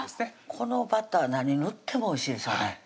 このバター何塗ってもおいしいですよね